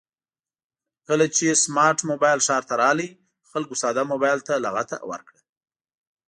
کله چې سمارټ مبایل ښار ته راغی خلکو ساده مبایل ته لغته ورکړه